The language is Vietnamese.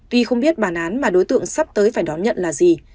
tuy không biết bản án mà đối tượng sắp tới phải đón nhận là gì